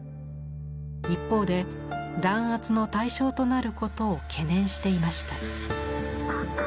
一方で弾圧の対象となることを懸念していました。